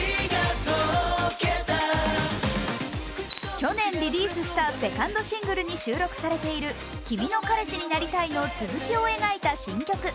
去年リリースしたセカンドシングルに収録されている「君の彼氏になりたい」の続きを描いた新曲。